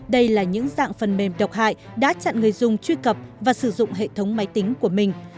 đây là những dạng phần mềm độc hại đã chặn người dùng truy cập và sử dụng hệ thống máy tính của mình